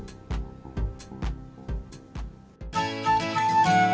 ketemu sama otang